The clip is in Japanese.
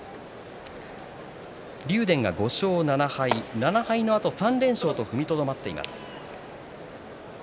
竜電が５勝７敗７敗のあと３連勝と踏みとどまっています。